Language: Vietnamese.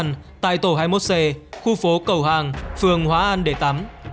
nhà tổ hai mươi một c khu phố cầu hàng phường hóa an để tắm